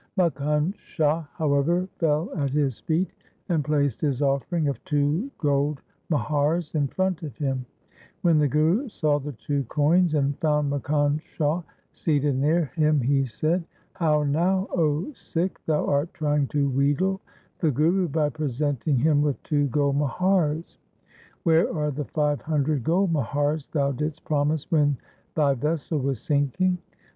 Makkhan Shah, however, fell at his feet, and placed his offering of two gold muhars in front of him. When the Guru saw the two coins and found Makkhan Shah seated near him, he said, ' How now, 0 Sikh, thou art trying to wheedle the Guru by presenting him with two gold muhars ? Where are the five hundred gold muhars thou didst promise when thy vessel was sinking.'